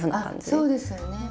あそうですよね。